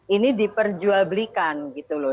ini diperjual belikan gitu loh